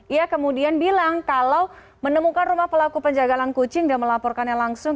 ia kemudian bilang kalau menemukan rumah pelaku penjagalan kucing dan melaporkannya langsung